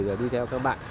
rồi đi theo các bạn